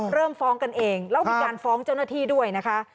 เริ่มฟ้องกันเองแล้วมีการฟ้องเจ้าหน้าที่ด้วยนะคะ